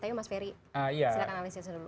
tapi mas ferry silahkan analisis dulu